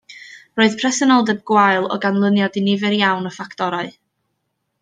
Roedd presenoldeb gwael o ganlyniad i nifer iawn o ffactorau